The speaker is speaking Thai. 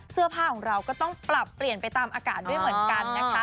เสื้อผ้าของเราก็ต้องปรับเปลี่ยนไปตามอากาศด้วยเหมือนกันนะคะ